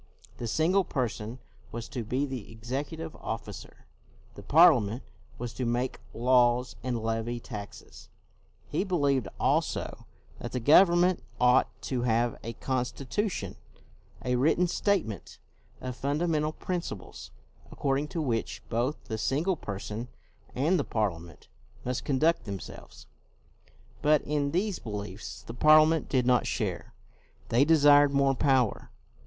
The Single Person was to be the executive officer, the Parliament was to make laws and levy taxes. He be lieved also that the government ought to have a constitution, a written statement of fundamental principles, according to which both the Single Person and the Parliament 254 CROMWELL must conduct themselves. But in these beliefs the Parliament did not share. They desired more power.